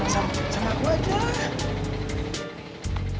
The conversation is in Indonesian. sama aku aja